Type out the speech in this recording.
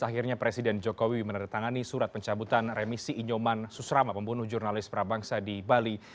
akhirnya presiden jokowi menandatangani surat pencabutan remisi inyoman susrama pembunuh jurnalis prabangsa di bali